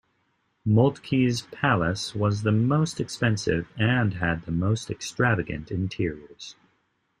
Moltke's Palace was the most expensive, and had the most extravagant interiors.